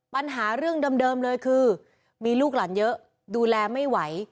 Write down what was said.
ปัญหาเรื่องเดิมเลยคือมีลูกหลานเยอะดูแลไม่ไหว